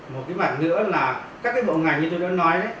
một mặt nữa là các bộ ngành như tôi đã nói